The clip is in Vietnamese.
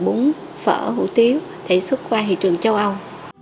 bún phở hủ tiếu để xuất qua thị trường châu âu